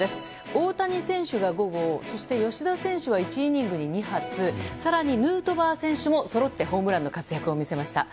大谷選手は５号そして、吉田選手は１イニングに２発更にヌートバー選手もそろってホームランの活躍を見せました。